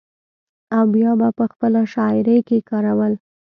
او بيا به پۀ خپله شاعرۍ کښې کارول ۔